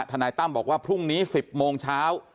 นายตั้มบอกว่าพรุ่งนี้๑๐โมงเช้า